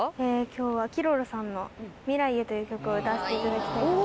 今日はＫｉｒｏｒｏさんの『未来へ』という曲を歌わせていただきたいと。